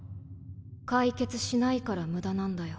解決しないから無駄なんだよ。